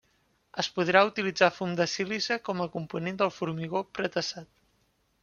Es podrà utilitzar fum de sílice com a component del formigó pretesat.